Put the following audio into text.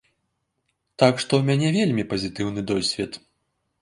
Так што ў мяне вельмі пазітыўны досвед.